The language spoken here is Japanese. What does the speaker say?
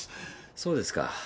そうですか。